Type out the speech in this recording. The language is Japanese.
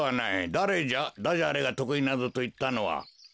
だれじゃダジャレがとくいなどといったのは？